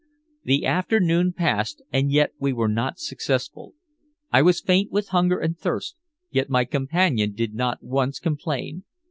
The afternoon passed, and yet we were not successful. I was faint with hunger and thirst, yet my companion did not once complain.